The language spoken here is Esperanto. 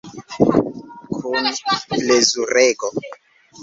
Kun plezurego.